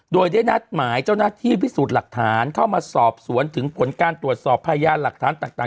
โดยได้นัดหมายเจ้าหน้าที่พิสูจน์หลักฐานเข้ามาสอบสวนถึงผลการตรวจสอบพยานหลักฐานต่าง